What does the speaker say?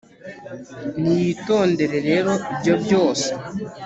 niyitondere rero ibyo byose